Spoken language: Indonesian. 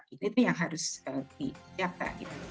itu yang harus di jaka